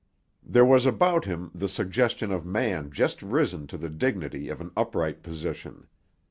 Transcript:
There was about him the suggestion of man just risen to the dignity of an upright position.